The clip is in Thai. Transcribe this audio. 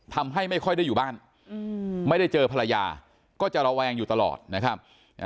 ทำให้ไม่ค่อยได้อยู่บ้านไม่ได้เจอภรรยาก็จะระแวงอยู่ตลอดนะครับ